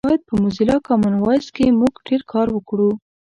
باید په موزیلا کامن وایس کې مونږ ډېر کار وکړو